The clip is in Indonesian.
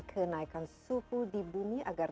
kenaikan suhu di bumi agar